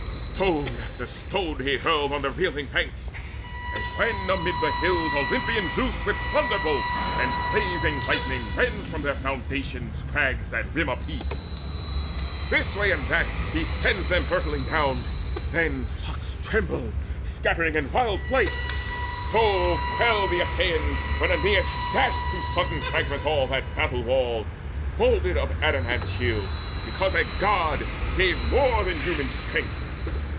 Stone after stone he hurled on the reeling ranks, As when amid the hills Olympian Zeus With thunderbolts and blazing lightnings rends From their foundations crags that rim a peak, And this way, that way, sends them hurtling down; Then the flocks tremble, scattering in wild flight; So quailed the Achaeans, when Aeneas dashed To sudden fragments all that battle wall Moulded of adamant shields, because a God Gave more than human strength.